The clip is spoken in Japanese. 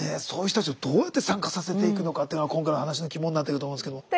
そういう人たちをどうやって参加させていくのかっていうのが今回の話の肝になってくると思うんですけど。